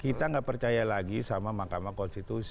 kita nggak percaya lagi sama mahkamah konstitusi